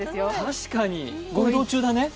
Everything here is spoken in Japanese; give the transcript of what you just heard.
確かに、ご移動中だね。